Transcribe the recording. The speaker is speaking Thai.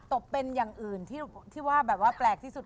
ตบเป็นอย่างอื่นที่ว่าแบบว่าแปลกที่สุด